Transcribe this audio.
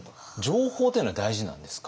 情報っていうのは大事なんですか？